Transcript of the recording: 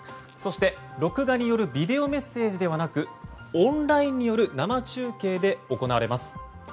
そして、録画によるビデオメッセージではなくオンラインによる生中継で行われます。